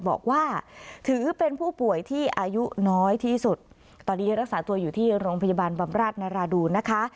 บอกว่าถือเป็นผู้ป่วยที่อายุน้อยที่สุดตอนนี้ยังรักษาตัวอยู่ที่โรงพยาบาลบำราชนราดูนนะคะ